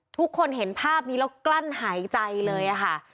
ทุกคนเห็นภาพนี้แล้วกลั้นหายใจเลยค่ะ